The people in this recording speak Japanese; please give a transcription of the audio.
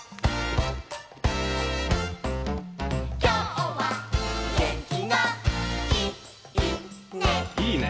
「きょうはげんきがいいね」いいね！